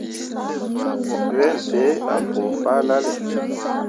Wel ɓe ah pũu fahlalle.